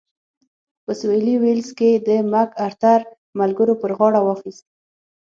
په سوېلي ویلز کې د مک ارتر ملګرو پر غاړه واخیست.